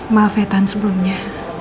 maafi tan sebelumnya